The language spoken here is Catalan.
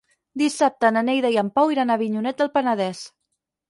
Dissabte na Neida i en Pau iran a Avinyonet del Penedès.